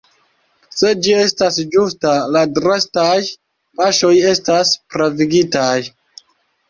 Se ĝi estas ĝusta la drastaj paŝoj estas pravigitaj.